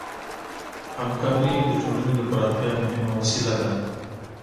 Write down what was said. همکاري د ټولنې د پراختیا مهمه وسیله ده.